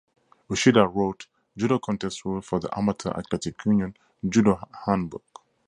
Uchida wrote "Judo Contest Rules for the Amateur Athletic Union Judo Handbook".